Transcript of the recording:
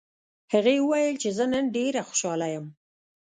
هغې وویل چې نن زه ډېره خوشحاله یم